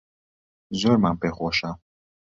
زۆرمان پێخۆشە